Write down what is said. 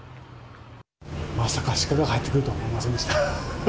まさかシカが入ってくるとは思いませんでした。